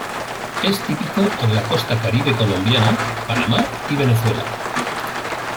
Es típico en la Costa Caribe colombiana, Panamá y Venezuela.